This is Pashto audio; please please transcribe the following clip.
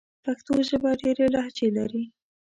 پښتو ژبه ډېري لهجې لري.